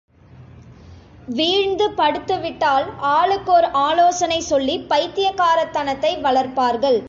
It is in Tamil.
வீழ்ந்து படுத்துவிட்டால் ஆளுக்கொரு ஆலோசனை சொல்லிப் பைத்தியக்காரத் தனத்தை வளர்ப்பார்கள்.